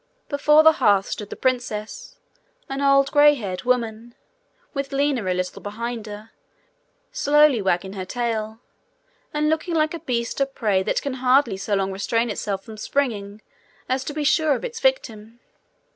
Before the hearth stood the princess, an old grey haired woman, with Lina a little behind her, slowly wagging her tail, and looking like a beast of prey that can hardly so long restrain itself from springing as to be sure of its victim.